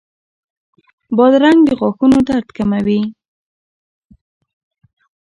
بادرنګ د غاښونو درد کموي.